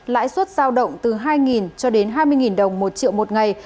lãi suất giao động từ hai cho đến hai mươi đồng một triệu một ngày